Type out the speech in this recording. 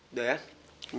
udah ya minum